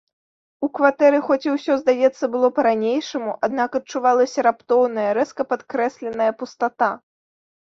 У кватэры хоць і ўсё, здаецца, было па-ранейшаму, аднак адчувалася раптоўная, рэзка падкрэсленая пустата.